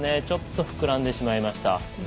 ちょっと膨らんでしまいました。